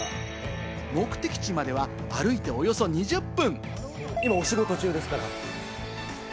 目的地までは歩いておよそ２０分。